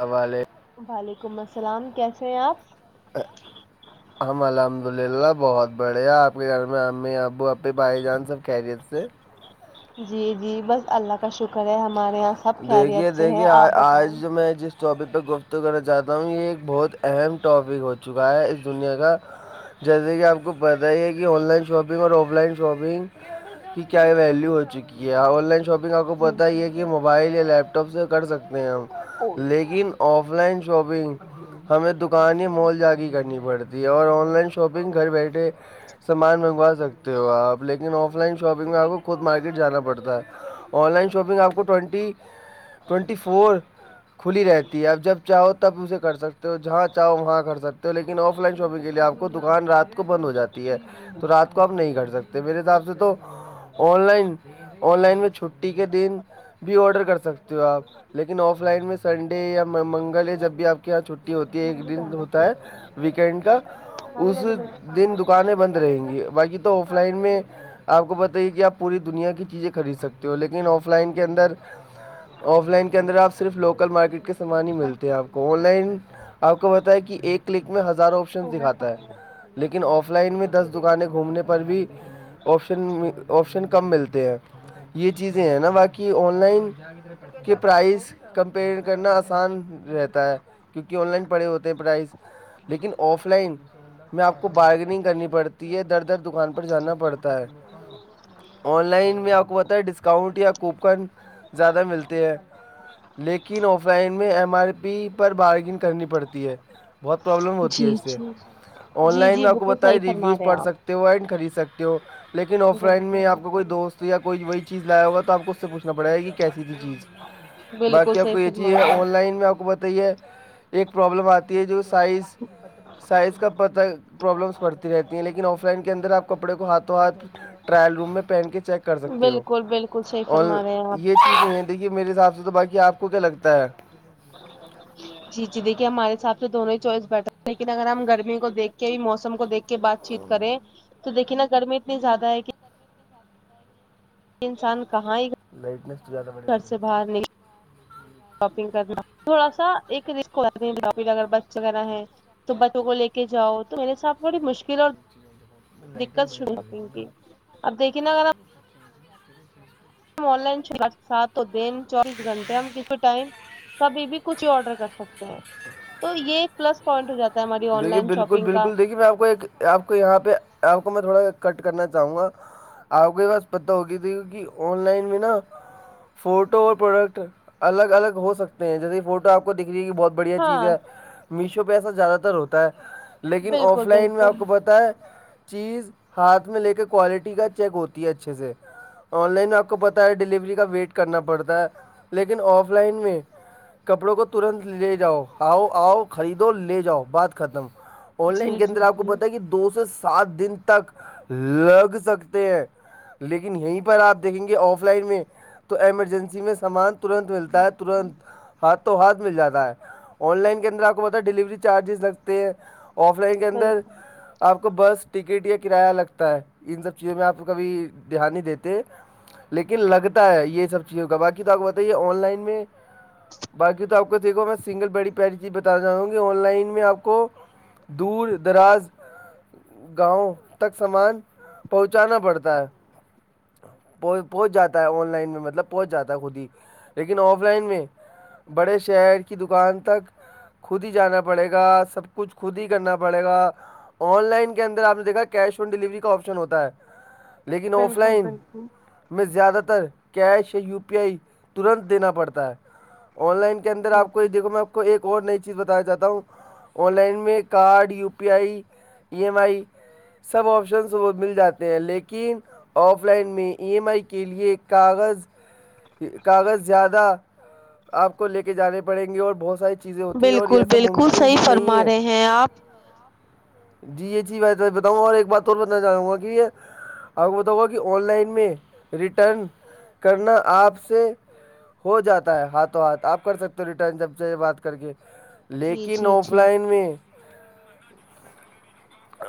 حوالے وعلیکم السلام کیسے ہیں آپ ہم الحمد للہ بہت بڑھیا آپ کے گھر میں امی ابو بے بھائی جان سب کیریت سے جی جی بس اللہ کا شکر ہے ہمارے یہاں سب دیکھیے خیریت سے ہے دیکھیے آپ بتائیں آج میں جس ٹاپک پہ گفتگو کرنا چاہتا ہوں یہ ایک بہت اہم ٹاپک ہو چکا ہے اس دنیا کا جیسے کہ آپ کو پتا ہی ہے کہ آن لائن شاپنگ اور آف لائن شاپنگ کی کیا یہ ویلو ہو چکی ہے آن لائن شاپنگ آپ کو پتا ہی ہے کہ موبائل یا لیپ ٹاپ سے کر سکتے ہیں ہم لیکن آف لائن شاپنگ ہمیں دک کانیں مال جاگ کرنی پڑتی ہے اور آن لائن شاپنگ گھر بیٹھے سامان منگوا سکتے ہو آپ لیکن آف لائن شاپنگ میں آپ کو خود مارکیٹ جانا پڑتا ہے آن لائن شاپنگ آپ کو ٹوینٹی ٹوینٹی فور کھلی رہتی ہے اب جب چاہو تب اسے کر سکتے ہو جہاں چاہو وہاں کر سکتے ہو لیکن آف لائن شاپنگ کے لیے آپ دکان رات کو بند ہو جاتی ہے تو رات کو آپ نہیں کر سکتے میرے حساب سے تو آن لائن آن لائن میں چھٹی کے دن بھی آڈر کر سکتے ہو آپ لیکن آف لائن میں سنڈے یا منگل ہے جب بھی آپ یہاں چھٹی ہوتی ہے ایک دن ہوتا ہے ویکینڈ کا اس دن دکانیں بند رہیں گی باقی تو آف لائن میں آپ کو پت ہیے کہ آپ پوری دنیا کی چیزیں خرید سکتے ہو لیکن آف لائن کے اندر آف لائن کے اندر آپ صرف لوکل مارکیٹ کے سامان ہی ملتے ہیں آپ کو آن لائن آپ کو بتایں کہ ایک کلک میں ہزاروں آپشن شن دکھاتا ہے لیکن آف لائن میں دس دکانیں گھومنے پر بھی آپشن آپشن کم ملتے ہیں یہ چیزیں ہیں نا باقی آن لائن کے پرائز کمپیئر کرنا آسان رہتا ہے کیونکہ آن لائن پڑے ہوتے ہیں پرائز لیکن آف لائن میں آپ کو بارگننگ کرنی پڑتی ہے در در دکان پر جانا پڑتا ہے آن لائن میں آپ کو پت ہے ڈسکاؤنٹ یا کوپن زیادہ ملتے ہیں لیکن آف لائن میں ایم آر پی پر بارگنگ کرنی پڑتی ہے بہت پرابلم ہوتی ہے جی اس سے جی آن جی لائن جی میں آپ کو بالکل بت ہے صحیح فرما ریویوز رہے ہیں پڑ آپ سک ہوا اینڈ خرید سکتے ہو لیکن آف لائن میں بالکل آپ کوئی دوست یا کوئی وہی چیز لایا ہوگا تو آپ کو اس سے پچھ پڑائے گے کیسی بھی چیز بالکل بالکل باقی آپ صحیح کو یہ چیز فرما رہے ہیں آن لائن میں آپ کو بتا یہ ایک پرابلم آتی ہے جو سائز سائز کا پت پرابلمس بڑتی رہتی ہیں لیکن آف لائن کے اندر آپ کپڑے کو ہاتھوں ہاتھ ٹرائل روم میں پین کے چیک کر سکتے ہو بالکل بالکل صحیح اور فرما رہے ہیں آپ یہ چیز ہیں دیکھیے میرے حساب سے تو باقی آپ کو کیا لگتا ہے جی جی دیکھیے ہمارے ہساب سے دونوں ہی چوائس بیٹھر ہے لیکن اگر ہم گرمی کو دیکھ موسم کو دیک کے بات چیت کریں تو دیکھیے نا گرمی اتنی زیادہ ہے کہ انسان کہاں ہی لائٹنس تو زیادہ بڑے لگ گھر رہی سے باہر نکلیں [inaudible] شاپنگ کرنا تھوڑا سا ایک رسک ہو جاتا شپگ اگر بچے وغیرہ ہے تو بچوں کو لے کے جاؤ تو میرے ساتھ تھوڑی مشکل اور تھی لائٹنگ دقت بڑھیا لگ رہی تھی نا اب دیکھییں نا اگر آپ آن لائن ش سات دن چوبیس گھنٹے ہم کسی ٹائم کبھی بھی کچھ ہی آڈر کر سکتے ہیں تو یہ ایک پلس پوائنٹ ہو جاتا ہے ہماری آن دیکھیے لائن بالکل شاپنگ کا بالکل دیکھیے میں آپ کو ایک آپ کو یہاں پہ آپ کو میں تھوڑا سا کٹ کرنا چاہوں گا آپ کو بس پتہ ہوگی بھی کی کہ آن لائن میں نا فوٹو اور پروڈکٹ الگ الگ ہو سکتے ہیں جیسے فوٹو آپ کو دکھ جائے گی بہت بڑھیا چیز ہاں ہے میشو پہ ایسا زیادہ تر ہوتا ہے لیکن بالکل آف لائن میں آپ بالکل کو پتا ہے چیز ہاتھ میں لے کے کوالٹی کا چیک ہوتی ہے اچھے سے آن لائن آپ کو پتاہ ہے ڈیلیوری کا ویٹ کرنا پڑتا ہے لیکن آف لائن میں کپڑوں کو ترنت لے جاؤ آؤ آؤ خریدو لے جاؤ بات ختم آن لائن جی کے جی اندر آپ کو جی پتا ہے کہ دو سے سات دن تک لگ سکتے ہیں لیکن یہیں پر آپ دیکھیں گے آف لائن میں تو ایمرجنسی میں سامان ترنت ملتا ہے ترنت ہاتھ تو ہاتھ مل جاتا ہے آن لائن کے اندر آپ کو پتا ڈلیوری تو چارجز لگتے ہیں آف لائن کے اندر بالکل آپ کو بس ٹکٹ یا کرایہ لگتا ہے ان سب چیزوں میں آپ کو کبھی دھیان نہیں دیتے لیکن لگتا ہے یہ سب چیزوں کا باقی تو آپ بتائیے آن لائن میں بای تو آپ کو دیکھو میں سنل بیڈی پیاری چیز بتان چاہوں گی آن لائن میں آپ کو دور دراز گاؤں تک سامان پہنچانا پڑتا ہے پہنچ جاتا ہے آن لائن میں مطلب پہنچ جاتا ہے خود ہی لیکن آف لائن میں بڑے شہر کی دکان تک خود ہی جانا پڑے گا سب کچھ خود ہی کرنا پڑے گا آن لائن کے اندر آپ نے دیکا کیش آن ڈیلیوری کا آپشن ہوتا ہے لیکن آف بالکل لائن بالکل میں زیادہ تر کیش یا یو پی آئی ترنت دینا پڑتا ہے آن لائن کے اندر آپ کو یہ دھو میں آپ کو ایک اور نئی چیز بتانا چاہتا ہوں آن لائن میں card U P I E M I سب آپشنس وہ مل جاتے ہیں لیکن آف لائن میں ای ایم آئی کے لئے کاغذ زیادہ آپ کو لے کے جانے پڑیں گے اور بہت ساری چیزیں ہوتی ہیں اور بالکل یہ سب ممکن بالکل قن صحیح بھی نہیں فرما ہے رہے ہیں آپ جی یہ چیز بتاؤں اور ایک بات اور بتانا چاہوں گا کہ یہ آپ کو پتا ہوگا کہ آن لائن میں ریٹرن کرنا آپ سے ہو جاتا ہے ہاتھوں ہاتھ آپ کر سکتے ہو ریٹرن جب سے بات کر کے جی جی جی تین میں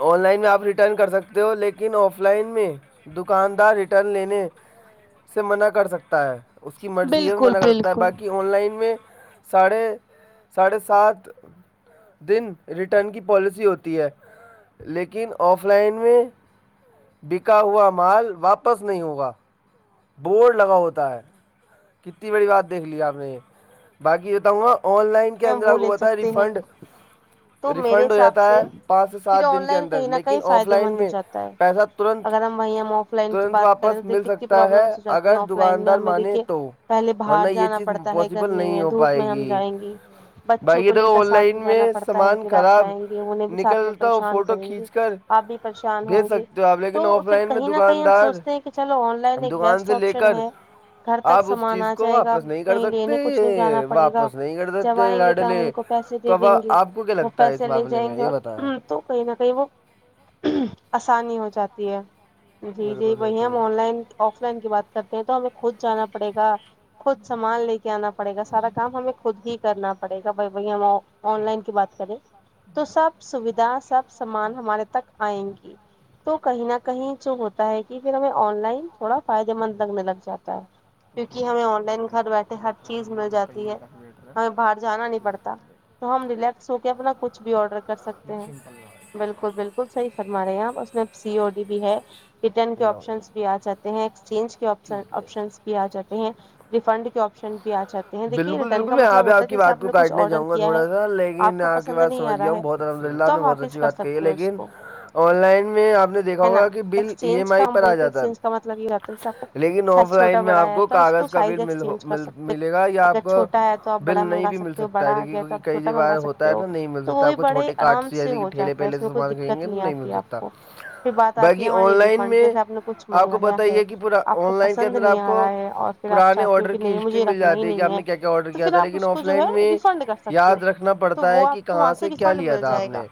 آن لائن میں آپ ریٹرن کر سکتے ہو لیکن آف لائن میں دکاندار ریٹرن لینے سے منع کر سکتا ہے اس کی مرضی یہ بھی بالکل منع کرتا ہے بالکل باقی آن لائن میں ساڑھے ساڑھے سات دن ریٹرن کی پالیسی ہوتی ہے لیکن آف لائن میں بکا ہوا مال واپس نہیں ہوگا بورڈ لگا ہوتا ہے کتنی بڑی بات دیکھ لی آپ نے یہ باقی بتاؤں گا آن لائن ہم کیندرا وہ کو لے بتایا سکتے ہیں ریفنڈ تو میرے ریفنڈ ہو حساب جاتا سے ہے پانچ سے پھر سات آن دن کے لائن اندر کہیں نہ لیکن کہیں آف فائدے لائن مند ہو میں جاتا ہے پیسہ تو ترنت اگر ہم وہیں ہم آف لائن کی ترنت بات کریں تو واپس مل دیکھیے کتنی سکتا ہے پرابلمس ہو جاتی اگر ہیں آف لائن میں دکاندار ہمیں مان دیکھیے تو پہلے ورنہ باہر یہ جانا چیز پڑتا ہے پاسبل گرمی نہیں میں ہو دھوپ پائے میں ہم گی جائیں ہ [unintelligible] بچوں کو لے کر سھ میں جانا پڑتا ہے پھر آپ خراب جائیں گے انہیں بھی ساتھ میں نکلتا ہو پریشان فوٹو کریں گے کھینچ کر آپ بھی پریشان بھیج ہوں گے سکتے ہو آپ لیکن تو آف پھر لائن میں کہیں نہ کہیں ہم دکاندار سوچتے ہیں کہ چلو آن لن ایک دکان بیسٹ سے لے آپشن کر ہے گھر تک آپ اس سامان چیز آ کو جائے گا واپس نہیں کر کہیں لینے کچھ نہیں جانا سکتے پڑے گا واپس نہیں کر سکتے ئیں گے تو ہم ان لاڈلے کو پیسے تو دے اب دیں گے آپ کو کیا وہ لگتا ہے اس پیسے لے معاملے جائیں میں گے یہ بتائیں اور تو کہیں نہ کہیں وہ آسانی ہو جاتی ہے جی جی بالکل وہی بالکل ہم آن لائن آف لائن کی بات کرتے ہیں تو ہمیں خود جانا پڑے گا خود سامان لے کے آنا پڑے گا سارا کام ہمیں خود ہی کرنا پڑے گا بھائی بھائی ہم آن لائن کی بات کریں تو سب سویدھا سب سامان ہمارے تک آئیں گی تو کہیں نہ کہیں جو ہوتا ہے کہ پھر ہمیں آن لائن تھوڑا فائدے مند لگنے لگ جاتا ہے کیونکہ ہمیں آن لائن گھر بیٹھے ہر چیز مل جاتی ہے ہمیں باہر جانا نہیں پڑتا تو ہم ریلیکس ہو کے اپنا کچھ بھی آڈر کر سکتے ہیں چنتل ہے بالکل بالکل صحی فرما رہے ہیں آپ اس میں سی او ڈی بھی ہے ریٹرن کے آپشنس بھی آ جاتے ہیں ایکسچینج کے آ آپشنس بھی آ جاتے ہیں ریفنڈ کے آپشن بھی آ چتے ہیں دھیے بالکل ریٹرن بالکل کا میں یہاں مطلب پہ ہوتا کی جیسے بات آپ کو نے کچھ کاٹنے آڈر جاؤں گا کیا ہے تھوڑا سا آپ لیکن کو کی پسند بات نہیں آ سمجھ رہا گیا ہے ہوں بہت الحمد للہ تو آپ نے بہت واپس اچھی کر سکتے بات کہی ہے سکتے ہو اس لیکن کو آن لائن میں آپ نے دیکھا ہے نا ہوگا کہ بل ای ایم ایکسچینج کا آئی ہم پر آ بولیں تو جاتا ایکسچینج کا مطلب یہ رہتا جیسے آپ کو ہے لیکن آف سائز لائن چھوٹا میں بڑا آپ ہے کو تو اس کاغذ کا بل سائز ایکسچینج ملتا کر سکتے ملے گا یا آپ اگر کو چھوٹا ہے تو آپ بل بڑا نہیں منگا بھی مل سکتے ہو سکتا ہے بڑا آ دیکھیے گیا تو کیکہ آپ کئی چھوٹا ج بار منگا ہوتے سکتے ہو نا نہیں مل تو وہ سکتا بھی آپ کو بڑے چھوٹے کٹ آرام سے جیسے کہ ہو ٹھیے جاتا ہے پہلے اس سے میں کوئی سامان کرییں دقت گے تو نہیں مل آتی آپ سکتا کو پھر بات آتی ہے باقی آن ہماری لائن فنڈ میں جیسے آپ نے کچھ آپ کو منگایا پتہ ہی ہے کہ پورا آپ کو آن لائن کے پسند اندر نہیں آپ آ رہا کو ہے اور پھر آپ پرانے چاہتی ہو آڈر کہ کی نہیں ہسٹری مجھے مل رکھنا ہی جاتی کہ نہیں آپ ہے نے کیا کیا آڈر تو کیا پھر تھا آپ لیکن اس کو آف جو لائن ہے میں ریفنڈ کر سکتے ہو یاد رکھنا تو پڑتا وہ ہے کہ آپ وہاں کہاں سے کیا ریفنڈ لیا مل تھا آپ جائے گا نے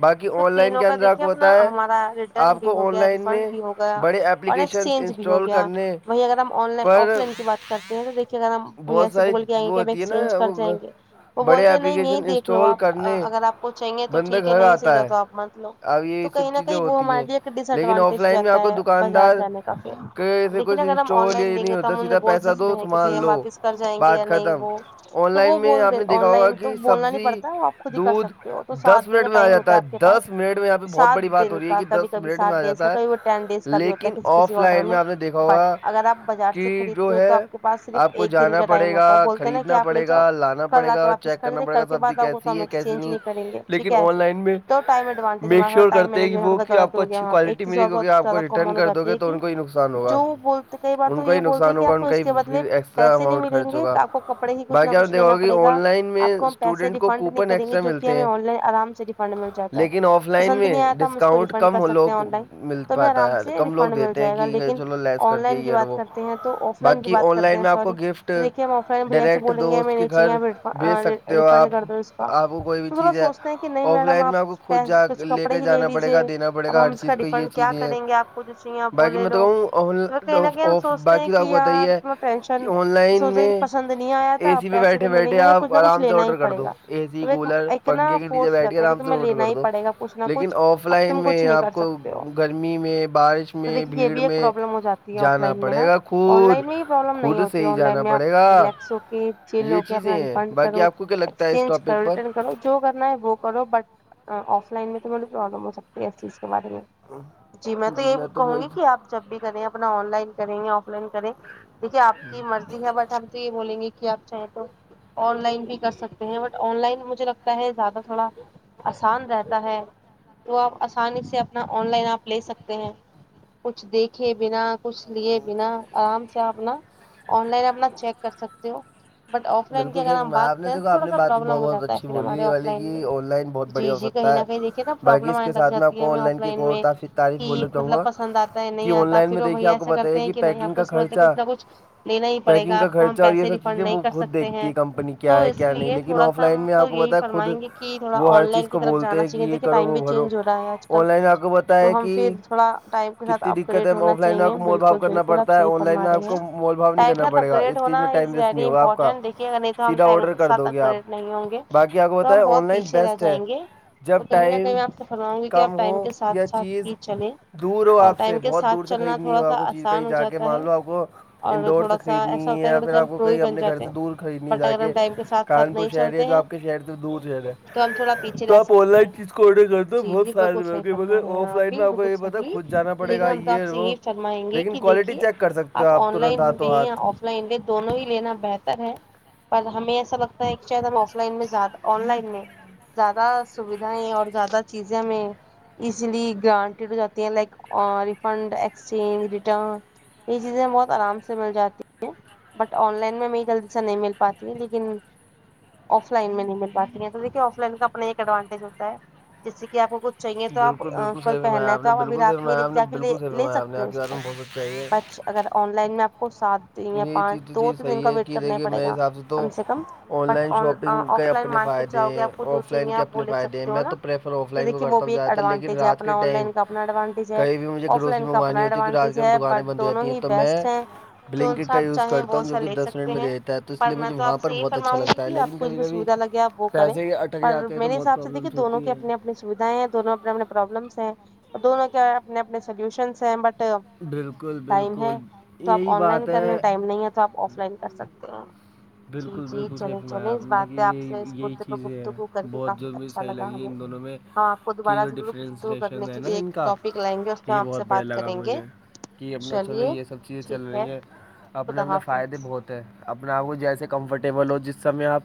باقی تو آن لائن تینوں کے کا اندر آپ دیکے کو پتہ اپنا ہے ہمارا رٹرن آپ بھی کو ہو آن گیا ر لائن فنڈ میں بھی ہو گیا بڑے اور ایپلیکیشنس ایکسچینج بھی ہو انسٹال گیا کرنے وہی اگر ہم آن لائ پر آف لائن کی بات کرتے ہیں تو دیکھے بہت سے ساری بول کے آئ گے وہ کہ ہوتی ہے نا ایکسچینج کر جائیں وہ گے وہ بڑے بولتے نہیں یہی ایپلیکیشن دیکھ لو آ انسٹال کرنے اگر آپ کو چاہیے تو بندہ ٹھیک ہے گھر نہیں آتا چاہیے ہے تو آپ مت لو اب یہ تو کہیں سب نہ چیزیں کہیں ب ہوتی ہیں ہماری ایک ڈس لیکن آف ایڈوانٹیج لائن میں جاتا آپ کو ہے بازار دکاندار جانے کا کے پھر سے دیکن کچھ نا اگر ہم آن انسٹال لائن یہ دیں نہیں گے تو ہوتا ہم انہیں سیدھا بول پیسہ سکتے دو ہیں کہ سامان بھائی ہم لو واپس کو کر جائیں گے یا بات نہیں ختم وہ آن تو لائن وہ میں بول آپ د نے آن دیکھا ہوگا لائن تو کہ بولنا نہیں سبزی پڑتا آپ خود ہی کر دودھ سکتے ہو تو دس سات دن منٹ کا میں آ ٹائم ہوتا جاتا ہے آپ کے پاس دس منٹ میں یہاں پہ بہت سات بڑی بات دن ہو رہی ہے کا کہ کبھی دس کبھی منٹ سات میں آ ڈیز کا جاتا ہے کبھی وہ ٹین ڈیز کا بھی ہوتا لیکن ہے کسی کسی آف آڈر لائن میں آپ نے دیکھا بٹ ہوگا اگر آپ بازار سے کہ خریدتے جو ہو تو ہے آپ کے پاس صرف آپ کو ایک دن جانا کا ٹائم پڑے گا ہوتا ہے بولتے ہیں نا کہ خریدنا آپ لے پڑے جاؤ گا لانا کل پڑے آ گا کے اور واپس چیک کر کرنا دے پڑے کل گا کے سبزی بعد آؤگے تو کیسی ہم ہے کیسی ایکسچینج نہیں کرے گے ٹھیک لیکن ہے آن ایس لائن میں تو ٹائم ایڈوانٹیج میک ہمارا شیور ٹائم کرتے ہیں کہ مینجمٹ وہ کہ غلط آپ کو ہو گیا اچھی وہاں پہ ایک کوالٹی ملے اور بہت کیونکہ آپ کو زیادہ ریٹرن کامن ہو کر دو جاتی گے ہے تو کہ ان کو ہی نقصان ہوگا جو بولتے کئی بار ان تو کو یہ ہی بولتے ہیں نقصان کہ ہوگا آپ ان کا اس ہی کے بدلے پھر ایکسٹرا پیسے نہیں اماؤنٹ ملیں خرچ گے ہوگا آپ کو کپڑے ہی کچھ نہ باقی آپ نے کچھ دیکھا لینا ہوگا کہ پڑے گا آن لائن میں اپ کو ہم پیسے اسٹوڈنٹ کو ریفنڈ نہیں کوپن کریں گے ایکسٹرا جو کہ ملتے ہمیں ہیں آن لائن آرام سے ریفنڈ مل جاتا ہے لیکن آف لائن پسند میں نہیں آیا تھا ہم اس کو ڈسکاؤنٹ ریفنڈ کر کم سکتے ہیں لوگ آن لائن مل تو ہم پاتا آرام ہے سے کم لوگ ریفنڈ مل دیتے ہیں جائے گا کہ لیکن چلو لیس کر آن دیا لائن یہ کی اور بات وہ کرتے ہیں تو آف لائن کی باقی بات آن کرتے لائن ہیں میں آپ کو سوری گفٹ دیکھے ہم آف لائن بھیا سے ڈائریکٹ بولیں گے ہمیں دوست کے نہیں گھر بھیج سکتے چاہیے ہو ریفنڈ آپ کردو اس آپ کو کوئی بھی وہ لوگ چیز ہے سوچتے ہیں کہ نہیں آف میڈم لائن آپ میں کو خود جا کچھ کپڑے کے ہی لے جانا لیجیے پڑے گا دینا پڑے اب گا ہم ہر اس کا چیز کہئی یہ ریفنڈ کیا چیزیں ہیں کریں گے آپ کو جو چاہیے آپ وہ باقی لے لو بتاؤں تو کہیں نہ کہیں ہم سوچتے ہیں باقی تو کہ اپ کو پتا ہی یار ہے تھوڑا کہ ٹینشن آن لائن سوچا میں کہ پسند نہیں آیا اے تھا سی پہ پیسے بیٹھے تو ملیں بیٹھے گے نہیں آپ کچھ نہ کچھ آرام سے لینا ہی آڈر کر پڑے دو گا اے سی تو ایک کولر ایک نا پنکھے کے نیچے فورس بیٹھ کے رہتا ہے کہ آرام سے تمہیں آوڈر لینا کر ہی دو پڑے گا کچھ نہ لیکن کچھ آف اف اب لائن تم میں کچھ نہیں کر آپ کو سکتے ہو گرمی میں بارش تو میں دیکھیے یہ بھیڑ بھی ایک میں پرابلم ہو جاتی ہے آف جانا لائن میں پڑے نا گا آن خود لائن میں یہ پرابلم نہیں خود ہوتی سے ہے ہی آن لائن جانا میں پڑے گا آپ ریلیکس ہو کے چل یہ ہو کے چیزیں اپنا ہیں ریفنڈ باقی کرو آپ کو کیا لگتا اس ایکسچینج کرو ٹاپک پر ریٹرن کرو جو کرنا ہے وہ کرو بٹ آف لائن میں تو مطلب پرابلم ہو سکتی ہے اس چیز کے بارے میں جی میں تو یہ کہوں گی کہ آپ جب بھی کریں اپنا آن لائن کریں یا آف لائن کریں دیکھیے آپ کی مرضی ہے بٹ ہم تو یہ بولیں گے کہ آپ چاہیں تو آن لائن بھی کر سکتے ہیں بٹ آن لائن مجھے لگتا ہے زیادہ تھوڑا آسان رہتا ہے تو آپ آسانی سے اپنا آن لائن آپ لے سکتے ہیں کچھ دیکھے بنا کچھ لیے بنا آرام سے آپنا آن لائن اپنا چیک کر سکتے ہو بٹ آف لائن کی اگر صحیح ہم فرمایا آپ بات نے کریں تو دیکھو آپ تھوڑا نے سا بات پرابلم بہت ہو بہت جاتا ہے اچھی پھر بولی ہمارے یہ آف والی لائن میں کہ آن لائن بہت جی بڑھیا ہو جی کہیں سکتا نہ ہے کہیں دیھکے نا باقی پرابلم اس کے آنے لگ ساتھ میں آپ جاتی ہے کو ہمیں آن آف کی ایک لائن اور میں تعریف کہ بولنا چاہوں مطلب گا پسند آتا ہے یا کہ نہیں آن آتا لائن میں پھر وہ دیکھیے بھیا آپ کو ایسا بتائیے کرتے ہیں کہ نہیں پیکنگ آپ کو کا اس کے بدلے خرچہ کچھ نہ کچھ لینا ہی پڑے پیکنگ گا کا اپ کو ہم خرچہ اور یہ پیسے سب ریفنڈ چیزیں نہیں وہ کر خود سکتے دیکھتی ہیں ہے کمپنی تو کیا ہے اس کیا نہیں لیے لیکن تھوڑا آف سا لائن ہم میں تو آپ کو یہی پتہ ہے خود فرمائیں گے کہ تھوڑا وہ آن ہر چیز لائن کو کی طرف جانا بولتے ہیں کہ چاہیے یہ دیکھیے کرو ٹائم بھی وہ بھرو چینج ہو رہا ہے آج کل آن لائن آپ کو پتہ تو ہے ہم کہ پھر تھوڑا ٹائم کے ساتھ کتنی اب دقت ہے گریڈ ہونا آف لائن میں آپ چاہیے کو مول بھاؤ بالکل کرنا بالکل آپ پڑتا ہے صحیح آن لائن فرما میں آپ رہے ہیں کو مول بھاؤ نہیں ٹائم کے کرنا ساتھ پڑے گا اپگریڈ اس چیز ہونا میں ٹائم از ویسٹ نہیں ویری ہوگا آپ کا امپورٹن دیکھیے گا نہیں تو ہم سیدھا ٹائم آڈر کے کر ساتھ دو گے آپ اپگریڈ نہیں ہوں گے باقی آپ کو تو پتہ ہم ہے آن بہت لائن پیچھے رہ بیسٹ ہے جائیں گے تو جب کہیں نہ کہیں ٹائم میں آپ سے فرماؤں گی کہ کم آپ ٹائم ہو کے یا ساتھ ساتھ چیز ہی چلیں دور ہو اور آپ سے ٹائم کے بہت دور ساتھ سے چلنا خریدنی ہو تھوڑا آپ سا کو چیز کہیں آسان ہو جا کے جاتا ہے مان لو آپ کو اور اندور سے تھوڑا سا خریدنی ایسا ہوتا ہے یا تھوڑے پھر سے ہم آپ کو پرو بھی کہیں بن اپنے گھر جاتے سے دور ہیں خریدنی ہے بٹ جا اگر ہم ٹائم کے ساتھ ساتھ کانپور نہیں شہر یا چلتے جو ہیں آپ کے شہر سے دور شہر ہے تو ہم تھوڑا پیچھے تو رہ آپ آن سکتے صحیح لائن چیز کو آڈر کر دو جی بہت جی بالکل فائدے میں صحیح ہوگی مگر فرما رہے ہیں آف آپ لائن میں بھی کو بالکل یہ پتا ہے، خود صحیح جانا پڑے لیکن گا ہم تو آپ سے وہ یہ فرمائیں گے لیکن کہ کوالٹی دیکھیے چیک کر سکتے ہو آپ آن ترنت لائن ہاتھوں لے یا ہاتھ آف آف لائن لے دونوں ہی لینا بہتر ہے پر ہمیں ایسا لگتا ہے کہ شاید ہم آف لائن میں زیادہ آن لائن میں زیادہ سودھائیں اور زیادہ چیزیں میں اسی لیے گرانٹیڈ ہو جاتی ہیں لائک ریفنڈ ایکسچینج ریٹرن یہ چیزیں بہت آرام سے مل جاتی ہیں بٹ آن لائن میں یہ جلدی سے نہیں مل پاتی ہیں لیکن آف لائن میں نہیں مل پاتی ہیں تو دیکھیے آف لائن کا اپنا ایک ایڈوانٹیج ہوتا ہے جیسے کہ آپ کو چاہیے تو آپ بالکل بالکل کل صحیح فرمایا پہننا ہے تو نے آپ ابھی بالکل صحیح رات میں لے فرمایا آپ نے جا کے لے بالکل صحیح لے فرمایا آپ نے سکتے ہو آپ کی اس بات کو میں بہت سچ چاہیے بچ اگر آن لائن میں آپ کو سات یا یہی چیز پانچ تو دو چیز تین دن صحیح کا ہے ویٹ کہ کرنا ہی دیکھیے پڑے میرے گا حساب تو کم سے کم بٹ لائن آن شاپنگ کے آف لائن اپنے مارکیٹ فائدے جاؤ گے ہیں آپ کو آف سوچیں لائن گے کے آپ اپنے بولے فائدے ہیں سکتے ہو میں نا تو پریفر آف تو لائن کو دیکھیے وہ کرتا ہوں بھی ایک زیادہ تر لیکن ایڈوانٹیج ہے رات کے اپنا آن ٹائم لائن کا اپنا ایڈوان کہیں بھی مجھے آف گروسری لائن کا اپنا منگوانی ہوتی کیونکہ رات کے ایڈوانٹیج ٹائم ہے دکانیں بٹ بند ہو دونوں جاتی ہیں ہی تو بیسٹ میں ہیں جو بلنکٹ سا کا آپ یوز چاہیں کرتا وہ ہوں جو سا کہ لے دس منٹ سکتے میں ہیں دے دیتا ہے اس پر لیے میں مجھے تو وہاں آپ پر سے یہی بہت اچھا فرماؤں گی لگتا ہے کہ آپ لیکن کو اس کبھی میں کبھی سویدھا لگےپ وہ کریں پیسے اٹک پر جاتے ہیں تو میرے بہت حساب سے دیکھے پرابلمس دونوں ہوتی کے ہیں اپنےنے اپنی سوھائیں ہیں دونوں اپنے اپنے پرابلمس ہیں دونوں کے اپنے اپنے سولوشنس ہیں بٹ بالکل ٹائم بالکل ہے تو آپ یہی آن لائن بات کر لیں ہے ٹائم نہیں ہے تو آپ آف لائن کر سکتے جی بالکل جی بالکل صحیح چلے چلیں فرمایا آپ اس نے بات دیکھیے پہ آپ سے اس یہی یہی مدے پہ چیزیں ہیں گفتگو کر کے بہت کافی جو مجھے اچھا صحیح لگا لگی ہمیں ان دونوں میں ہاں آپ کو کہ یہ دوبارہ جو ضرور پھ کرنے ڈفرینسیشن ہے کے نا لیے ان ایک کا ٹاپک لائیں گے کیا یہ آپ بہت سے بڑھیا بات لگا کریں گے مجھے کہ اپنا چلو چلیے یہ سب چیزیں چل ٹھیک ہے رہی ہیں اپنے خدا اپنے حافظ فائدے بہت اپنا آپ کو جیسے کمفرٹیبل ہو جس سم میں آپ